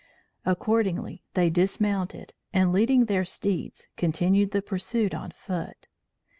Accordingly, they dismounted and leading their steeds, continued the pursuit on foot.